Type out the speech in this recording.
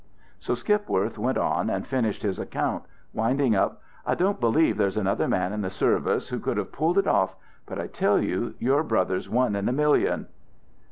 So Skipworth went on and finished his account, winding up, "I don't believe there's another man in the service who could have pulled it off but I tell you your brother's one in a million."